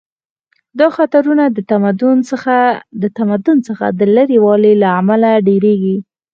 دا خطرونه د تمدن څخه د لرې والي له امله ډیریږي